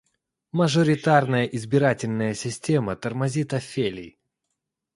Мажоритарная избирательная система тормозит афелий.